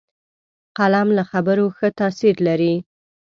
قلم له خبرو ښه تاثیر لري